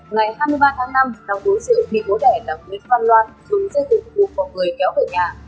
ngày hai mươi ba tháng năm đồng đối diện bị bố đẻ nằm nguyễn văn loan xuống dây cục buộc bỏ người kéo về nhà